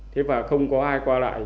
thế và không có ai qua lại